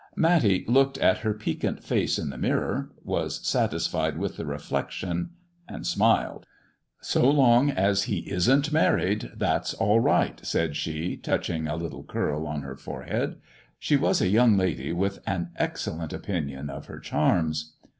Matty looked at her piquant face in the mirror, was satisfied with the reflection, and smiled. " So long as he isn't married, that's all right," said she, touching a little curl on her forehead. She was a young lady with an excellent opinion of her charms.